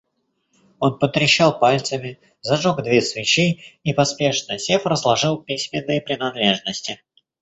Он потрещал пальцами, зажег две свечи и, поспешно сев, разложил письменные принадлежности.